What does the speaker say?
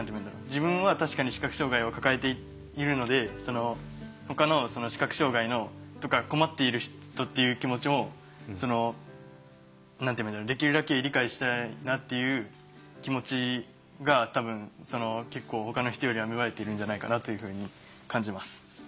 自分は確かに視覚障害を抱えているのでほかの視覚障害とか困っている人っていう気持ちもできるだけ理解したいなっていう気持ちが多分結構ほかの人よりは芽生えているんじゃないかなというふうに感じます。